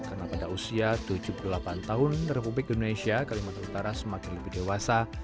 karena pada usia tujuh puluh delapan tahun republik indonesia kalimantan utara semakin lebih dewasa